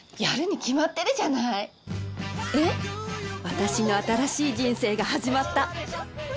私の新しい人生が始まった